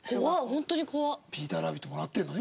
ピーターラビットもらってるのに